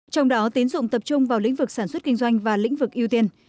trong đó tín dụng tập trung vào lĩnh vực sản xuất kinh doanh và lĩnh vực ưu tiên